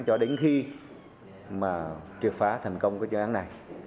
cho đến khi mà truyệt phá thành công cái chương án này